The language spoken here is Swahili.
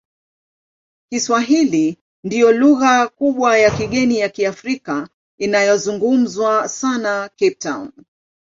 Kiswahili ndiyo lugha kubwa ya kigeni ya Kiafrika inayozungumzwa sana Cape Town.